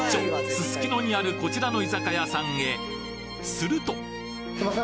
すすきのにあるこちらの居酒屋さんへするとすいません